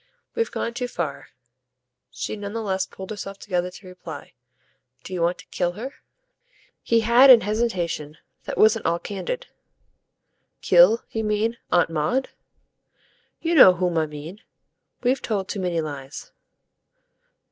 "We've gone too far," she none the less pulled herself together to reply. "Do you want to kill her?" He had an hesitation that wasn't all candid. "Kill, you mean, Aunt Maud?" "You know whom I mean. We've told too many lies."